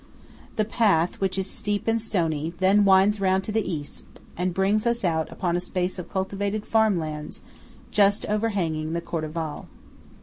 The path, which is steep and stony, then winds round to the east, and brings us out upon a space of cultivated farm lands just overhanging the Cordevole.